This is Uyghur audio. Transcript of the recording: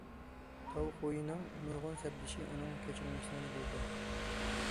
تاۋ خۇينىڭ نۇرغۇن سەپدىشى ئۇنىڭ كەچۈرمىشلىرىنى بىلىدۇ.